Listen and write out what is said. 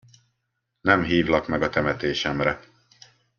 Nem hívlak meg a temetésemre.